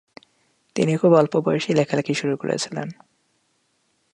তিনি খুব অল্প বয়সেই লেখালেখি শুরু করেছিলেন।